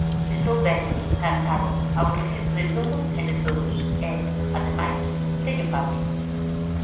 Estou vello, cansado, aborrecido de todo e de todos e, ademais, teño fame